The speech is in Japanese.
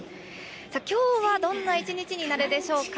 きょうはどんな一日になるでしょうか。